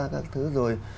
các thứ rồi